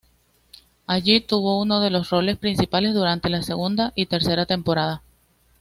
Allí, tuvo uno de los roles principales durante la segunda y tercera temporada.